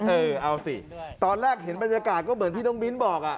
เออเอาสิตอนแรกเห็นบรรยากาศก็เหมือนที่น้องมิ้นบอก